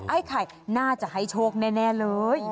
ไอ้ไข่น่าจะให้โชคแน่เลย